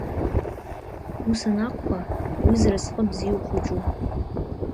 Ус анакәха, уи зразҟы бзиоу хәыҷуп.